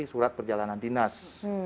surat perjalanan dinas